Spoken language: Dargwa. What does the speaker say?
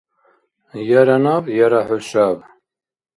Яра наб яра хӏушаб